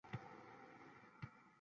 Ozimni va ortogimi krediti